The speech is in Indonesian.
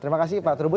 terima kasih pak terubu